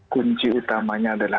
kunci utamanya adalah